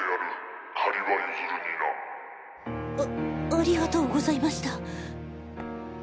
あありがとうございました。